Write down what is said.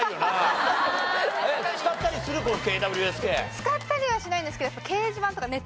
使ったりはしないんですけど。